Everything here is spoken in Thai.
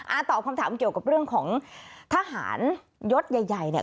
ตอบคำถามเกี่ยวกับเรื่องของทหารยศใหญ่ใหญ่เนี่ย